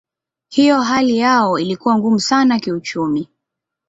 Hivyo hali yao ilikuwa ngumu sana kiuchumi.